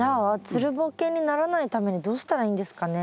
つるボケにならないためにどうしたらいいんですかね？